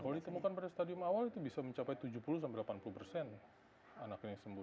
kalau ditemukan pada stadium awal itu bisa mencapai tujuh puluh delapan puluh persen anak yang sembuh